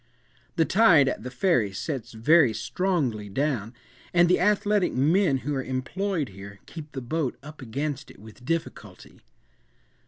The tide at the Ferry sets very strongly down, and the athletic men who are employed here, keep the boat up against it with difficulty.